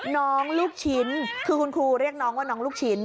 ลูกชิ้นคือคุณครูเรียกน้องว่าน้องลูกชิ้น